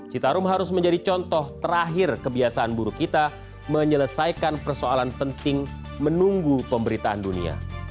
citarum harus menjadi contoh terakhir kebiasaan buruk kita menyelesaikan persoalan penting menunggu pemberitaan dunia